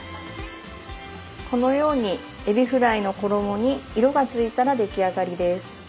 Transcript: このようにえびフライの衣に色がついたら出来上がりです。